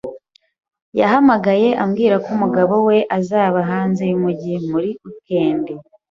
Yahamagaye ambwira ko umugabo we azaba hanze y'umujyi muri wikendi.